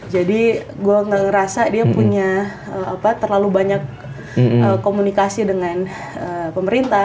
jadi gue gak ngerasa dia punya apa terlalu banyak komunikasi dengan pemerintah